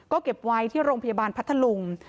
ก็เก็บไว้ที่โรงพยาบาลพัทธลุง